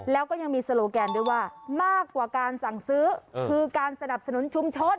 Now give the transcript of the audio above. แล้วก็ยังมีโซโลแกนด้วยว่ามากกว่าการสั่งซื้อคือการสนับสนุนชุมชน